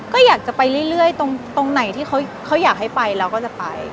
ก็อยากจะไปเรื่อยตรงไหนที่เขาอยากให้ไปเราก็จะไป